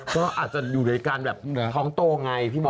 ก็อาจจะอยู่ด้วยกันท้องโตไงพี่ม้อ